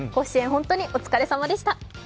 本当にお疲れ様でした。